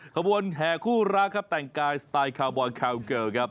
ขบวนแห่คู่รักครับแต่งกายสไตล์คาวบอยแคลเกิลครับ